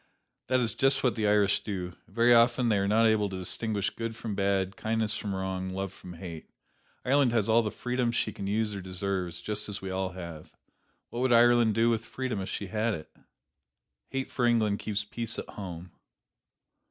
That is just what the Irish do. Very often they are not able to distinguish good from bad, kindness from wrong, love from hate. Ireland has all the freedom she can use or deserves, just as we all have. What would Ireland do with freedom if she had it? Hate for England keeps peace at home.